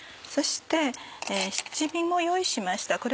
そして七味も用意しました